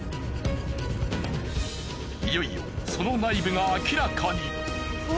いよいよその内部が明らかに。